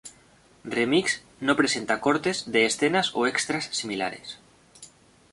Remix, no presenta cortes de escenas o extras similares.